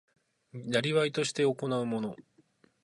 業として行うもの